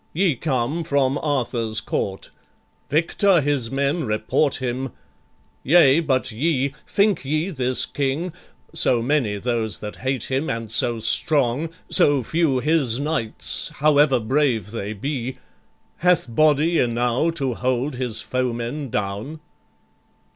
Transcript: Ye come from Arthur's court. Victor his men Report him! Yea, but ye think ye this king So many those that hate him, and so strong, So few his knights, however brave they be Hath body enow to hold his foemen down?"